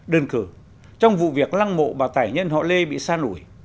đơn cử trong vụ việc lăng mộ bà tải nhân họ lê bị sa nủi